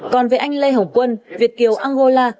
còn về anh lê hồng quân việt kiều angola